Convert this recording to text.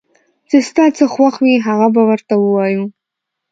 چې ستا څه خوښ وي هغه به ورته ووايو